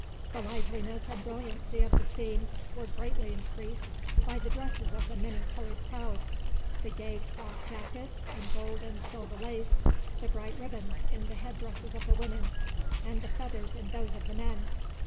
The liveliness and brilliancy of the scene were greatly increased by the dresses of the many coloured crowd: the gay cloth jackets and gold and silver lace, the bright ribbons in the head dresses of the women, and the feathers in those of the men.